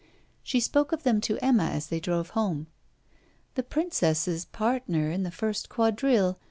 She spoke of them to Emma as they drove home. 'The princess's partner in the first quadrille...